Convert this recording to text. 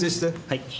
はい。